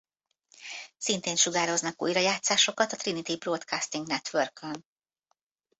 Szintén sugároznak újrajátszásokat a Trinity Broadcasting Networkön.